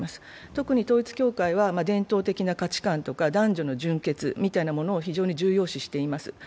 特に統一教会は伝統的な価値観とか男女の純血みたいなものを非常に重要視しています。